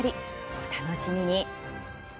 お楽しみに。